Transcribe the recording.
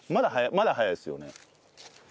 まだ早いっすよね？